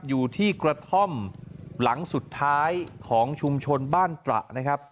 อยู่ที่กระท่อมหลังสุดท้ายของชุมชนบ้านตระนะครับ